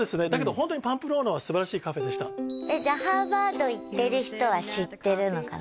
ホントにパンプローナはすばらしいカフェでしたじゃあハーバード行ってる人は知ってるのかな？